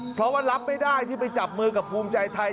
เพราะว่ารับไม่ได้ที่ไปจับมือกับภูมิใจไทย